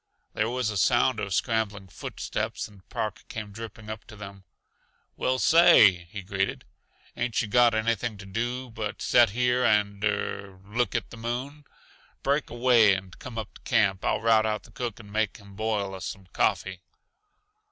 There was a sound of scrambling foot steps and Park came dripping up to them. "Well, say!" he greeted. "Ain't yuh got anything to do but set here and er look at the moon? Break away and come up to camp. I'll rout out the cook and make him boil us some coffee."